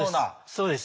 そうです。